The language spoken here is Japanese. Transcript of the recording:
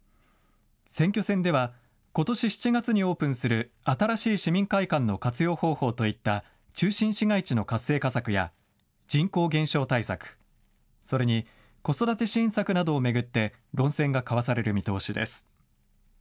選挙戦ではことし７月にオープンする新しい市民会館の活用方法といった中心市街地の活性化策や人口減少対策、それに子育て支援策などを巡って論戦が交わされる見通しです。